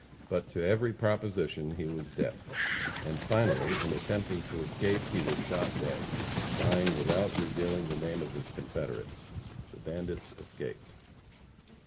But to every proposition he was deaf, and finally, in attempting to escape, he was shot dead, dying without revealing the name of his confederates. The bandits escaped.